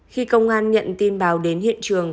khi công an nhận tin bào đến hiện trường